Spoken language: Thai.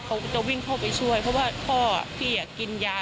เขาก็จะวิ่งเข้าไปช่วยเพราะว่าพ่อพี่กินยา